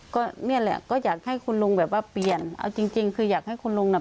ก็เนี่ยแหละก็อยากให้คุณลุงแบบว่าเปลี่ยนเอาจริงจริงคืออยากให้คุณลุงน่ะ